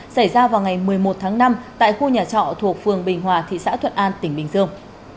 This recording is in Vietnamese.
xảy ra vào ngày một mươi một tháng năm tại khu nhà trọ thuộc phường bình hòa thị xã thuận an tỉnh bình dương